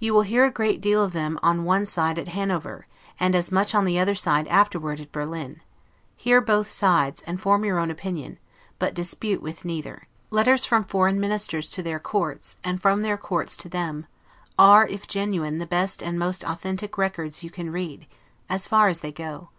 You will hear a great deal of them ow one side, at Hanover, and as much on the other side, afterward, at Berlin: hear both sides, and form your own opinion; but dispute with neither. Letters from foreign ministers to their courts, and from their courts to them, are, if genuine, the best and most authentic records you can read, as far as they go.